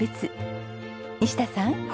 西田さん